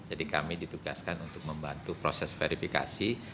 kami ditugaskan untuk membantu proses verifikasi